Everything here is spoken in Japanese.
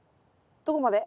どこまで？